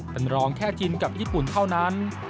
เป็นรองแค่จีนกับญี่ปุ่นเท่านั้น